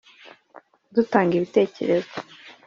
dutanga ibitekerezo